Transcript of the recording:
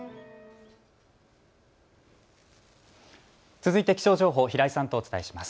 続いて気象情報、平井さんとお伝えします。